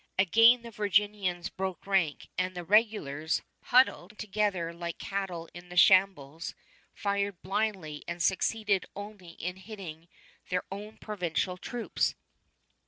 Again the Virginians broke rank, and the regulars, huddled together like cattle in the shambles, fired blindly and succeeded only in hitting their own provincial troops.